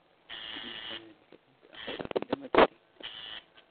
بإمكانك أن تأخذ كل ما تريد.